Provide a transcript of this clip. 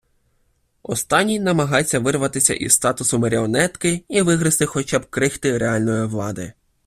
Останній намагається вирватися із статусу маріонетки і вигризти хоча б крихти реальної влади.